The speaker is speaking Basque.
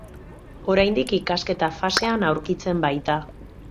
Oraindik ikasketa fasean aurkitzen baita.